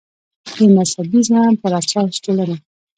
د مذهبي زغم پر اساس ټولنه